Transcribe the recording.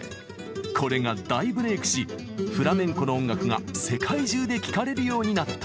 これが大ブレークしフラメンコの音楽が世界中で聴かれるようになったのです。